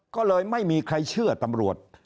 ก็เลยไม่มีใครเชื่อตำรวจ